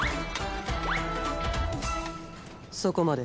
そこまで。